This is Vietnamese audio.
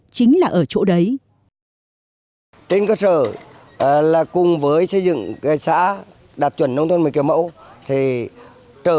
chính là ở chỗ đấy trên cơ sở là cùng với xây dựng xã đạt chuẩn nông thôn mới kiểu mẫu thì trở